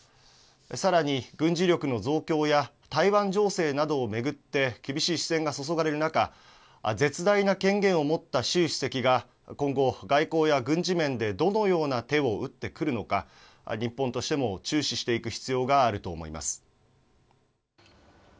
さらに軍事力の増強や台湾情勢などを巡って厳しい視線が注がれる中、絶大な権限を持った習主席が今後、外交や軍事面でどのような手を打ってくるのか、日本としても注視していく必要があると思います。